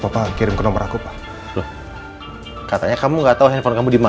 aku bener bener kecewa sama kamu elsa